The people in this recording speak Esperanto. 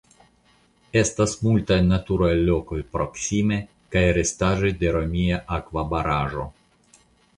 Estas multaj naturaj lokoj proksime kaj restaĵoj de romia akvobaraĵo.